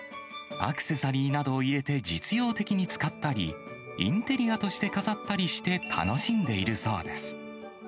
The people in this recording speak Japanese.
アクセサリーなどを入れて実用的に使ったり、インテリアとして飾ったりして、楽しんでいるそうです。